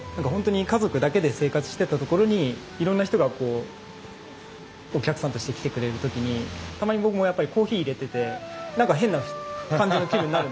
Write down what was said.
家族だけで生活してた所にいろんな人がお客さんとして来てくれる時にたまに僕もコーヒーいれててなんか変な感じの気分になるんですよ。